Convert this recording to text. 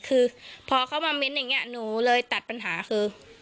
คือพอเขามาเม้นต์อย่างนี้หนูเลยตัดปัญหาคือ